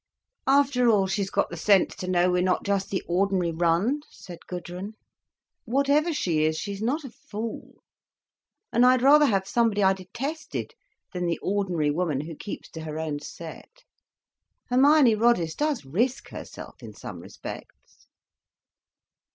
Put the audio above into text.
"After all, she's got the sense to know we're not just the ordinary run," said Gudrun. "Whatever she is, she's not a fool. And I'd rather have somebody I detested, than the ordinary woman who keeps to her own set. Hermione Roddice does risk herself in some respects."